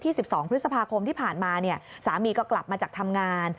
ที่๑๒พฤษภาคมที่ผ่านมาสามีก็กลับมาจากทำงาน